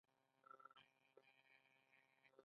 زه د تاریخي شواهدو سره علاقه لرم.